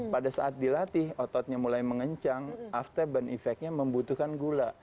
pada saat dilatih ototnya mulai mengencang after burn effectnya membutuhkan gula